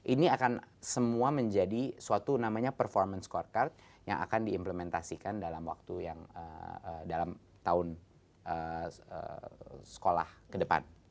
ini akan semua menjadi suatu namanya performance score card yang akan diimplementasikan dalam waktu yang dalam tahun sekolah ke depan